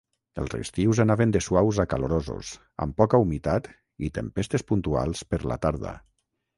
Els estius anaven de suaus a calorosos, amb poca humitat i tempestes puntuals per la tarda.